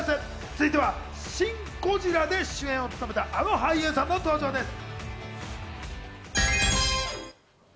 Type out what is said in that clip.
続いては『シン・ゴジラ』で主演を務めたあの俳優さんの登場です。